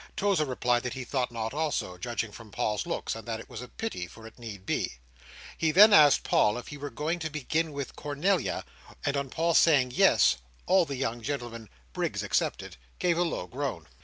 Tozer replied that he thought not also, judging from Paul's looks, and that it was a pity, for it need be. He then asked Paul if he were going to begin with Cornelia; and on Paul saying "yes," all the young gentlemen (Briggs excepted) gave a low groan.